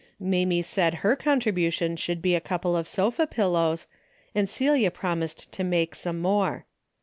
Mamie said her contribution should be a couple of sofa pillows, and Celia promised to make some more.